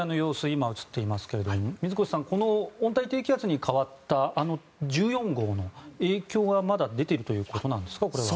今、映っていますが水越さん、温帯低気圧に変わった１４号の影響がまだ出ているということなんですか、これは。